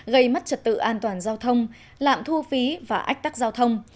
gây mất trật tự an toàn giao thông lạm thu phí và ách tắc giao thông